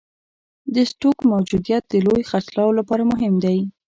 د سټوک موجودیت د لوی خرڅلاو لپاره مهم دی.